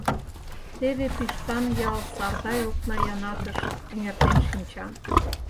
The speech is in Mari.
Теве Пиштан ял Сардай окна янакыш эҥертен шинча.